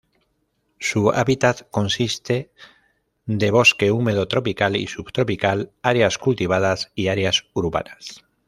Su hábitat consiste de bosque húmedo tropical y subtropical, áreas cultivadas y áreas urbanas.